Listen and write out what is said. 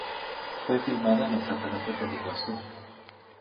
Fue filmada en la Cataratas del Iguazú.